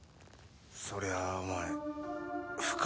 そりゃあお前不可